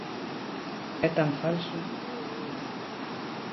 E tan falso.